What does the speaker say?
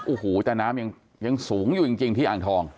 โอ้โหแต่น้ำยังสูงอยู่จริงที่อ่างทอง